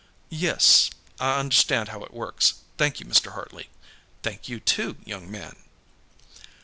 "Yes, I understand how it works. Thank you, Mr. Hartley. Thank you, too, young man."